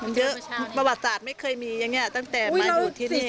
มันเยอะประวัติศาสตร์ไม่เคยมีอย่างนี้ตั้งแต่มาอยู่ที่นี่